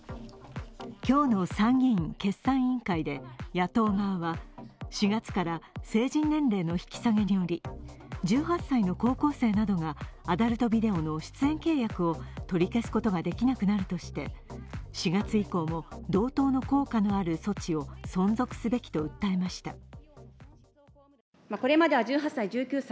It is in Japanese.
今日の参議院決算委員会で野党側は４月から成人年齢の引き下げにより１８歳の高校生などがアダルトビデオの出演契約を取り消すことができなくなるとして、４月以降も同等の効果がある措置を存続すべきと訴えました。